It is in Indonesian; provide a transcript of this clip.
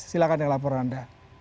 silahkan yang laporan anda